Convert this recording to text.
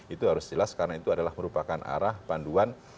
itu harus jelas karena itu adalah merupakan arah panduan